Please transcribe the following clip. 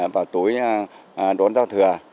vào tối đón giao thừa